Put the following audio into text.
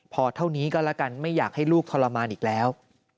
พอเท่านี้ก็แล้วกันไม่อยากให้ลูกทรมานอีกแล้ว